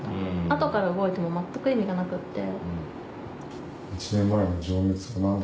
後から動いても全く意味がなくって。